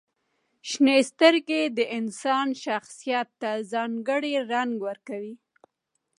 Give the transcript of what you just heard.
• شنې سترګې د انسان شخصیت ته ځانګړې رنګ ورکوي.